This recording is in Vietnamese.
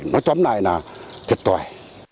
nói tóm lại là thiệt tòi